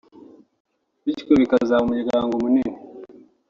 bityo bikazaba umuryango munini